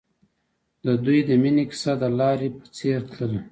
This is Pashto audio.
د دوی د مینې کیسه د لاره په څېر تلله.